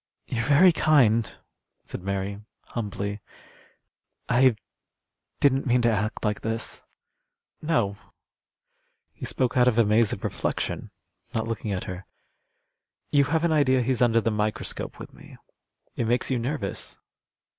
"You're very kind," said Mary, humbly. "I didn't mean to act like this." "No," he spoke out of a maze of reflection, not looking at her. "You have an idea he's under the microscope with me. It makes you nervous."